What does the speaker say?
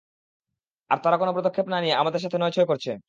তবে তারা কোনো পদক্ষেপ না নিয়ে আমাদের সাথে নয়-ছয় করছে।